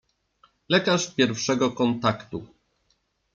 Lekarz pierwszego kontaktu.